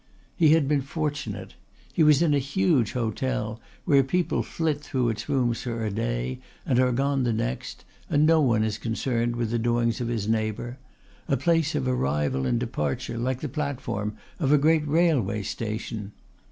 He had been fortunate. He was in a huge hotel, where people flit through its rooms for a day and are gone the next, and no one is concerned with the doings of his neighbour, a place of arrival and departure like the platform of a great railway station.